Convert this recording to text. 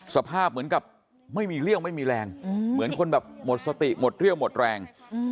สภาพเหมือนกับไม่มีเลี่ยวไม่มีแรงเหมือนคนแบบหมดสติหมดเรี่ยวหมดแรง